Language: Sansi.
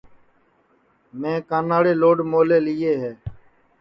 میں کاناڑے لوڈ مولے لِیئے ہے